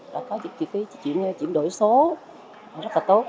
đã có những chuyển đổi số rất là tốt